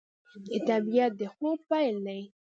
د طبیعت د خوب پیل دی